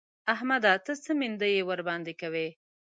احمده! ته څه مينده يي ورباندې کوې؟!